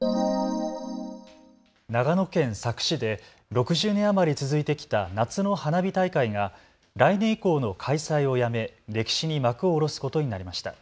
長野県佐久市で６０年余り続いてきた夏の花火大会が来年以降の開催をやめ、歴史に幕を下ろすことになりました。